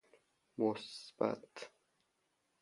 مثبت